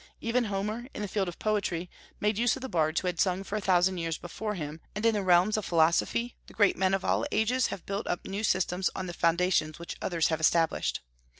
Even Homer, in the field of poetry, made use of the bards who had sung for a thousand years before him; and in the realms of philosophy the great men of all ages have built up new systems on the foundations which others have established.